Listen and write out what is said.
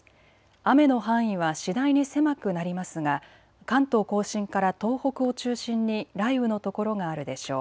雨の範囲は次第に狭くなりますが関東甲信から東北を中心に雷雨の所があるでしょう。